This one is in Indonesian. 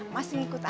masih ngikut aja